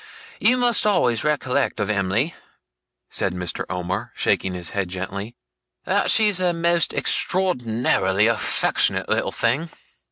You must always recollect of Em'ly,' said Mr. Omer, shaking his head gently, 'that she's a most extraordinary affectionate little thing.